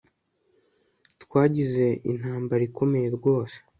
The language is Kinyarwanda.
Twagize intambara ikomeye rwose